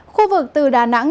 khu vực từ đà nẵng